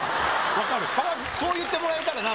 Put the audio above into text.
分かるそう言ってもらえたら分かる？